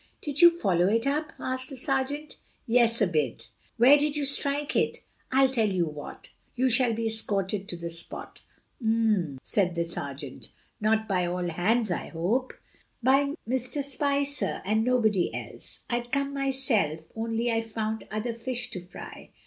"Did you follow it up?" asked the sergeant. "Yes, a bit." "Where did you strike it?" "I'll tell you what: you shall be escorted to the spot." "Um!" said the sergeant; "not by all hands, I hope?" "By Mr. Spicer and nobody else. I'd come myself, only I've found other fish to fry.